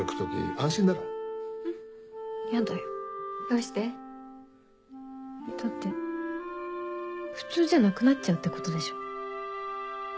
安心だろだって普通じゃなくなっちゃうってことでしょ？